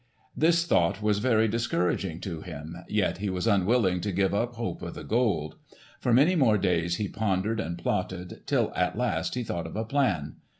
This thought was very discouraging to him, yet he was unwilling to give up hope of the Gold. For many more days he pondered and plotted, till at last he thought of a plan.